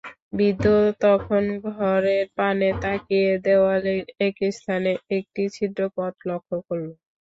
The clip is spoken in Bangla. বৃদ্ধ তখন ঘরের পানে তাকিয়ে দেওয়ালের এক স্থানে একটি ছিদ্রপথ লক্ষ্য করল।